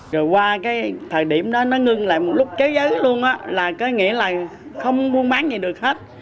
rồi qua cái thời điểm đó nó ngưng lại một lúc cháy dứt luôn á là cái nghĩa là không muốn bán gì được hết